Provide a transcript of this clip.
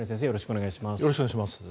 よろしくお願いします。